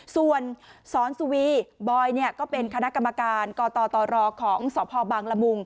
ส่วนซ้อนสุวีบอยเนี่ยก็เป็นคณะกรรมการก่อต่อต่อรอของสภบางรมุง